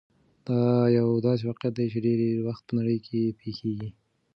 دا يو داسې واقعيت دی چې ډېری وخت په نړۍ کې پېښېږي.